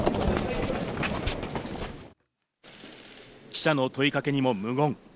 記者の問いかけにも無言。